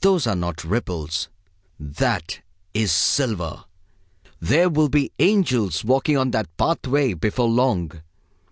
Those are not ripples. That is silver! There will be angels walking on that pathway before long!